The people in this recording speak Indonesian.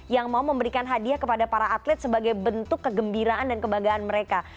yang mau memberikan hadiah kepada para atlet sebagai bentuk kegembiraan dan kebanggaan mereka